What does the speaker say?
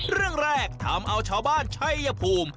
เรื่องแรกทำเอาชาวบ้านชัยภูมิ